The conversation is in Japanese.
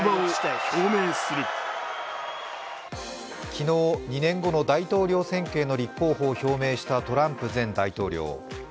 昨日、２年後の大統領選挙への立候補を表明したトランプ前大統領。